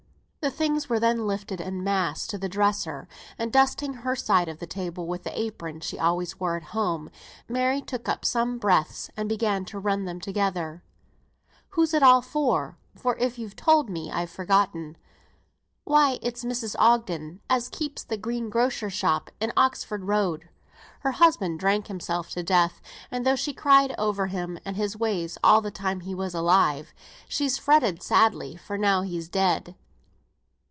The things were then lifted en masse to the dresser; and dusting her side of the table with the apron she always wore at home, Mary took up some breadths and began to run them together. "Who's it all for, for if you told me I've forgotten?" "Why for Mrs. Ogden as keeps the greengrocer's shop in Oxford Road. Her husband drank himself to death, and though she cried over him and his ways all the time he was alive, she's fretted sadly for him now he's dead."